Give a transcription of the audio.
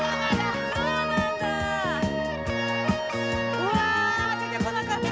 うわあ出てこなかった。